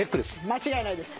間違いないです。